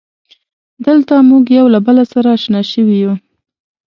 دلته مونږ یو له بله سره اشنا شوي یو.